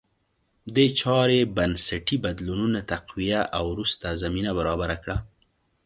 دې چارې بنسټي بدلونونه تقویه او وروسته زمینه برابره کړه